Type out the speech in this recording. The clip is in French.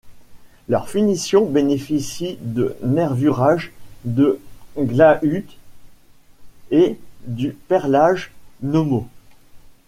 Leurs finitions bénéficient du nervurage de Glashütte et du perlage Nomos.